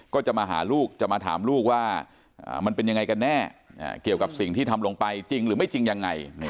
ก็จะมาหาลูกจะมาถามลูกว่ามันเป็นยังไงกันแน่เกี่ยวกับสิ่งที่ทำลงไปจริงหรือไม่จริงยังไง